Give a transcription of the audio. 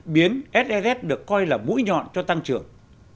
biến se được coi là mũi nhọn cho tăng trưởng